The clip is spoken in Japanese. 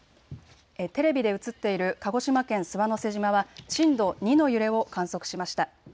テレビで映っている鹿児島県諏訪之瀬島は震度２の揺れを観測しました。